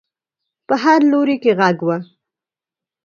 په هر لوري کې غږ و.